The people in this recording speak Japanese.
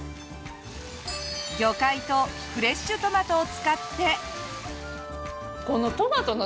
魚介とフレッシュトマトを使って。